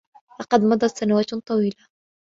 لقد مضت سنوات طويلة.